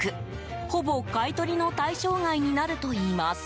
ほぼ買い取りの対象外になるといいます。